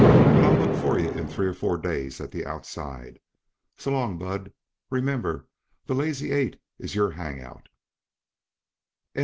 But I'll look for yuh in three or four days at the outside. So long, Bud. Remember, the Lazy Eight's your hang out." CHAPTER II.